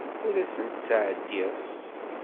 Ur asent-ttɛeddiɣ.